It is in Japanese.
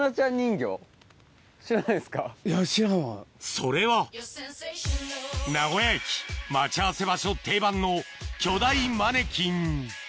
それは名古屋駅待ち合わせ場所定番の巨大マネキン